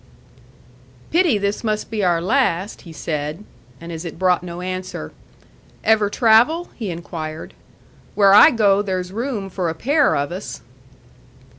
"Pity this must be our last," he said; and as it brought no answer, "Ever travel?" he inquired. "Where I go, there's room for a pair of us."